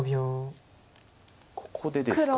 ここでですか。